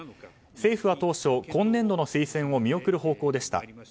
政府は当初、今年度の推薦を見送る方向でした。